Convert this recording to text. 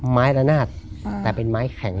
ไม้ละนาดแต่เป็นไม้แข็ง